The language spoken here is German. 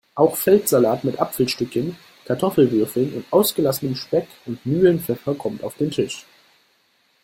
Auch Feldsalat mit Apfelstücken, Kartoffelwürfeln und ausgelassenem Speck und Mühlenpfeffer kommt auf den Tisch.